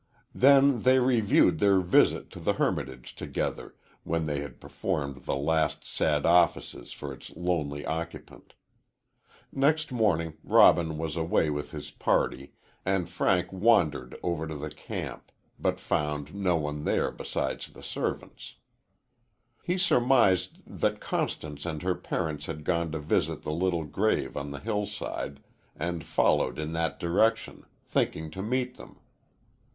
Then they reviewed their visit to the hermitage together, when they had performed the last sad offices for its lonely occupant. Next morning Robin was away with his party and Frank wandered over to the camp, but found no one there besides the servants. He surmised that Constance and her parents had gone to visit the little grave on the hillside, and followed in that direction, thinking to meet them.